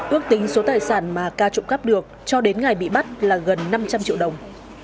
ước tính số tài sản mà ca trộm cắp được cho đến ngày bị bắt là gần năm trăm linh triệu đồng